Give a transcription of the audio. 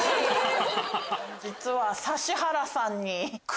実は。